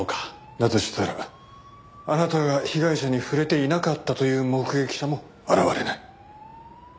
だとしたらあなたが被害者に触れていなかったという目撃者も現れない。